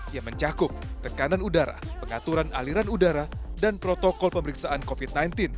yang mencakup tekanan udara pengaturan aliran udara dan protokol pemeriksaan covid sembilan belas